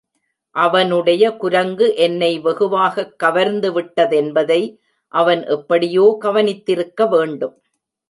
அவனுடைய குரங்கு என்னை வெகுவாகக் கவர்ந்துவிட்ட தென்பதை அவன் எப்படியோ கவனித்திருக்க வேண்டும்.